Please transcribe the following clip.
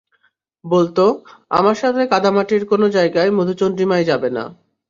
বলত, আমার সাথে কাদামাটির কোনও জায়গায় মধুচন্দ্রিমায় যাবে না।